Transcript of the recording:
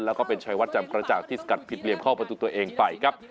แล้วก็เป็นชายวัดจำกระจ่างที่สกัดผิดเหลี่ยมเข้าประตูตัวเองไปครับ